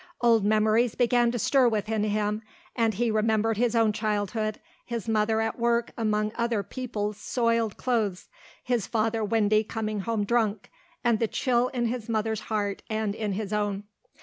Old memories began to stir within him and he remembered his own childhood, his mother at work among other people's soiled clothes, his father Windy coming home drunk, and the chill in his mother's heart and in his own.